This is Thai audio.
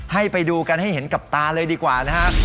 ให้ไปดูกันให้เห็นกับตาเลยดีกว่านะครับ